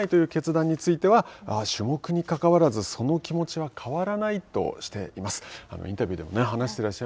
パリオリンピックを目指さないという決断については種目にかかわらずその気持ちは変わらないとしています。